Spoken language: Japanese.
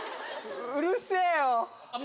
うるせぇよ！